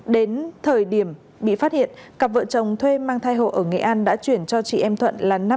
đến thời điểm bị phát hiện cặp vợ chồng thuê mang thai hộ ở nghệ an đã chuyển cho chị em thuận